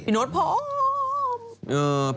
โน๊ตพร้อม